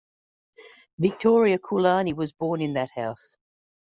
Victoria Kaiulani was born in that house.